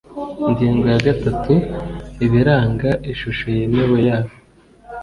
ingingo ya gatatu ibiranga ishusho yemewe yabo